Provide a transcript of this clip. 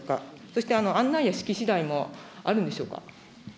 そして、案内や式次第もあるんでしょうか。